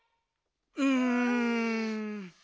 うん。